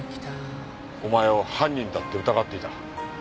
お前を犯人だって疑っていた。